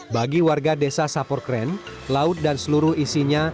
bagi warga desa sapor kren laut dan seluruh isinya